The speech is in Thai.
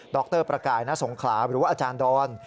รประกายณสงขลาหรือว่าอาจารย์ดอน